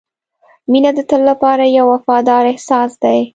• مینه د تل لپاره یو وفادار احساس دی.